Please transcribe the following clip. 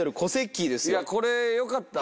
いやこれよかった。